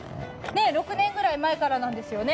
６年ぐらい前からなんですよね。